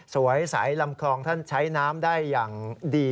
สวยใสลำคลองท่านใช้น้ำได้อย่างดี